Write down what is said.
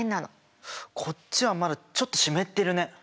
こっちはまだちょっと湿ってるね。